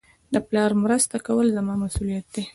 د پلار مرسته کول زما مسئولیت دئ.